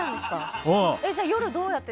じゃあ夜はどうやって？